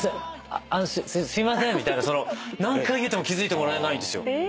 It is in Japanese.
あすいませんみたいな何回言っても気付いてもらえないんですよ。